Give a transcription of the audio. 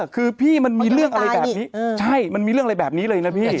คือพี่มันมีเรื่องอะไรแบบนี้เลยนะพี่